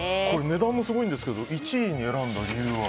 値段もすごいですけど１位に選んだ理由は？